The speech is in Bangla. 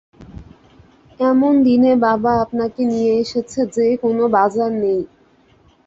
এমন দিনে বাবা আপনাকে নিয়ে এসেছে যে, কোনো বাজার নেই।